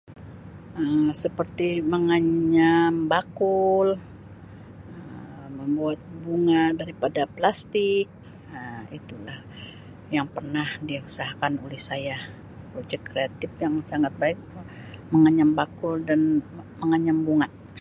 Um Seperti menganyam bakul Um membuat bunga daripada plastik Um itu lah yang pernah diusahakan oleh saya projek kreatif yang sangat baik menganyam bakul dan menganyam bunga.